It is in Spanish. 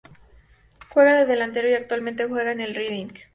Juega de delantero y actualmente juega en el Reading.